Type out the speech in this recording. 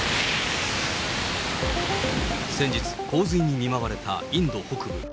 先日、洪水に見舞われたインド北部。